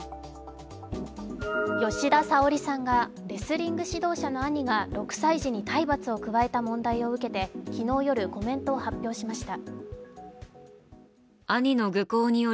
吉田沙保里さんがレスリング指導者の兄が６歳児に体罰を加えた問題について、昨日夜、コメントを発表しました。